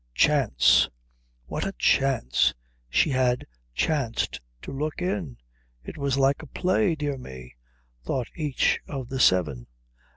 Chance; what a chance; she had chanced to look in; it was like a play; dear me, thought each of the seven.